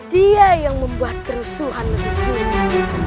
dia yang membuat kerusuhan untuk dunia